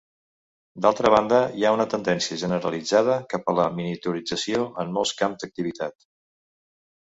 D'altra banda, hi ha una tendència generalitzada cap a la miniaturització en molts camps d'activitat.